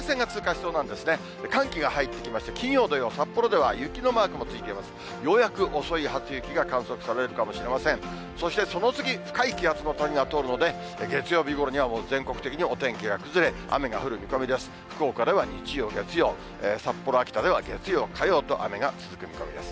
そしてその次、深い気圧の谷が通るので、月曜日ごろには、もう全国的にお天気が崩れ、雨が降る見込みです。